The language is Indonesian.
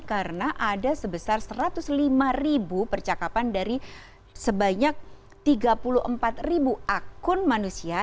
karena ada sebesar satu ratus lima ribu percakapan dari sebanyak tiga puluh empat ribu akun manusia